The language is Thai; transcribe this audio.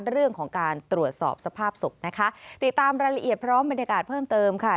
เรื่องของการตรวจสอบสภาพศพนะคะติดตามรายละเอียดพร้อมบรรยากาศเพิ่มเติมค่ะ